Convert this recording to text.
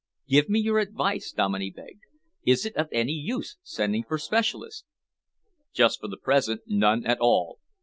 "Give me your advice," Dominey begged. "Is it of any use sending for specialists?" "Just for the present, none at all."